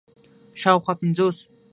شاوخوا پنځوس